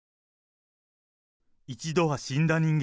一度は死んだ人間。